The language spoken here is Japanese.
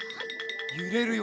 ゆれるよ。